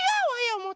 もっと。